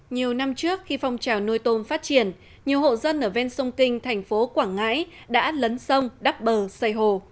nhiều năm trước khi phong trào nuôi tôm phát triển nhiều hộ dân ở ven sông kinh thành phố quảng ngãi đã lấn sông đắp bờ xây hồ